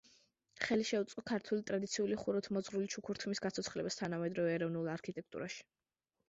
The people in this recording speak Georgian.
ხელი შეუწყო ქართული ტრადიციული ხუროთმოძღვრული ჩუქურთმის გაცოცხლებას თანამედროვე ეროვნულ არქიტექტურაში.